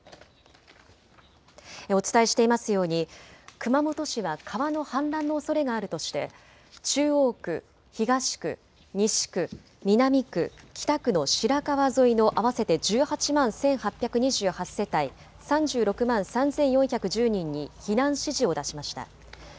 お伝えしていますように熊本市は川の氾濫のおそれがあるとして中央区、東区、西区、南区、北区の白川沿いの合わせて１８万１８２８世帯３６万３４１０人に避難指示を出しました。